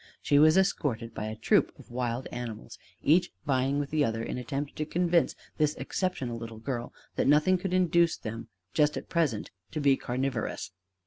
She was escorted by a troop of wild animals, each vying with the other in attempt to convince this exceptional little girl that nothing could induce them just at present to be carnivorous.